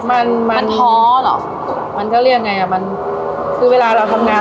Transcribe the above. มันมันท้อเหรอมันก็เรียกไงอ่ะมันคือเวลาเราทำงาน